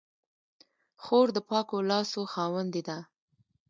خور د پاکو لاسو خاوندې ده.